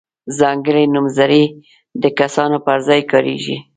ځانګړي نومځري د کسانو پر ځای کاریږي.